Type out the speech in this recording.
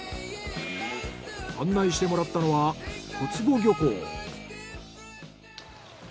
案内してもらったのは小坪漁港。